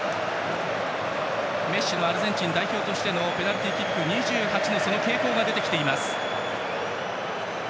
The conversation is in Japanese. メッシのアルゼンチン代表としてペナルティーキック２８、その傾向が出てきています。